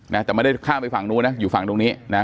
นะแต่ไม่ได้ข้ามไปฝั่งนู้นนะอยู่ฝั่งตรงนี้นะ